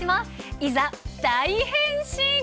いざ、大変身！